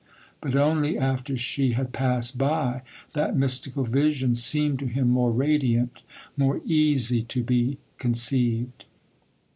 But only after she had passed by, that mystical vision seemed to him more radiant, more easy to be conceived.